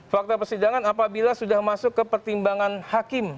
fakta persidangan apabila sudah masuk ke pertimbangan hakim